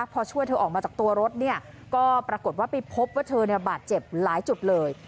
พอช่วยเธอออกมาจากตัวรถเนี่ยก็ปรากฏว่าไปพบว่าเธอบาดเจ็บหลายจุดเลย